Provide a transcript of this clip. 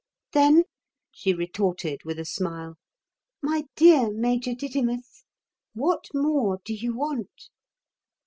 "Then," she retorted with a smile, "my dear Major Didymus, what more do you want?"